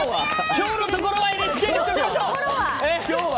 今日のところはＮＨＫにしておきましょう！